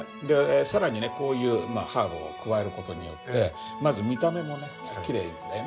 更にねこういうハーブを加える事によってまず見た目もねきれいだよね。